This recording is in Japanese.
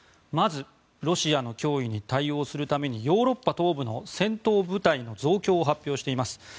まずロシアの脅威に対応するためにヨーロッパ東部の戦闘部隊の増強を発表しています。